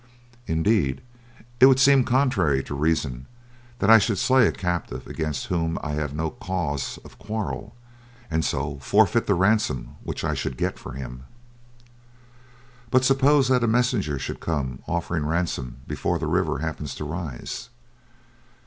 Indeed, it would seem contrary to reason that I should slay a captive against whom I have no cause of quarrel, and so forfeit the ransom which I should get for him." "But suppose that a messenger should come offering ransom before the river happens to rise?"